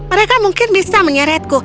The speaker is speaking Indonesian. mereka mungkin bisa menyeretku